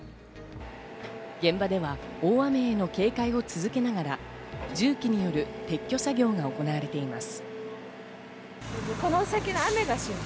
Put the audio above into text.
現場では大雨への警戒を続けながら重機による撤去作業が行われています。